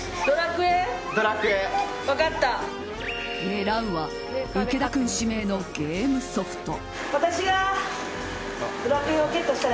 狙うは池田君指名のゲームソフト。